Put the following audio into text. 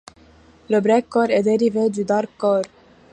Le breakcore est dérivé du darkcore.